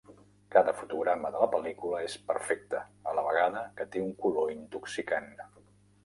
Cada fotograma de la pel·lícula és perfecta, a la vegada que té un color intoxicant.